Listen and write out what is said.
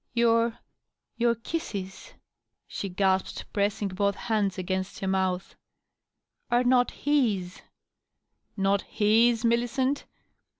" Your — ^your kisses," she gasped, pressing both hands against her mouth, " are not Am." "Not hisy Millicent?"